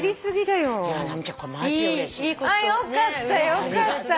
よかったよかった。